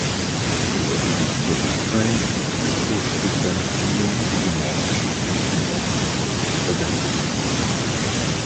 Im öffentlichen Bewusstsein ist Pusch durch seine vielen regionalgeschichtlichen Aufsätze präsent geblieben.